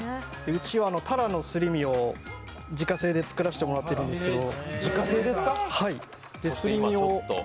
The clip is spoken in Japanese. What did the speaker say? うちは、たらのすり身を自家製で作らせてもらっているんですけど。